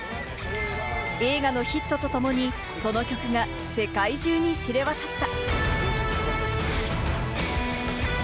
映画のヒットとともに、その曲が世界中に知れ渡った。